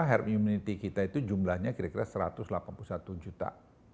herd immunity kita itu jumlahnya kira kira satu ratus delapan puluh satu juta